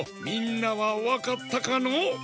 みんなはわかったかの？